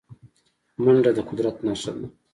منډه د قدرت نښه ده